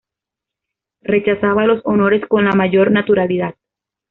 Rechazaba los honores con la mayor naturalidad.